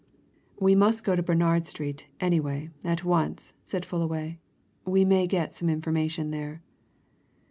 "We must go to Bernard Street, anyway, at once," said Fullaway. "We may get some information there."